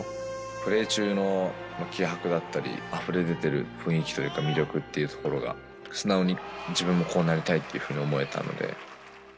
プレー中の気迫だったり、あふれ出てる雰囲気というか、魅力っていうところが、素直に自分もこうなりたいっていうふうに思えたので。